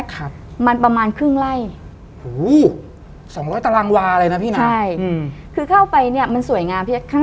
ที่มันกว้างมากพี่แจ๊ก